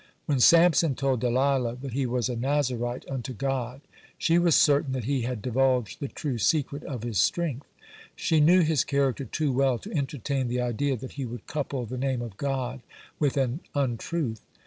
(120) When Samson told Delilah that he was a "Nazarite unto God," she was certain that he had divulged the true secret of his strength. She knew his character too well to entertain the idea that he would couple the name of God with an untruth.